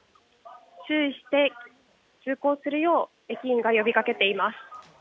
注意して通行するよう、駅員が呼びかけています。